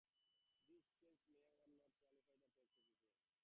These schemes may or may not qualify as tax efficient.